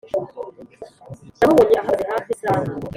namubonye ahagaze hafi isaha,